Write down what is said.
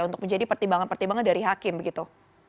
untuk menjadi pertimbangan pertimbangan dari hakim begitu